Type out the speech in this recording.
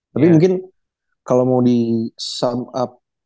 tapi mungkin kalo mau di sum up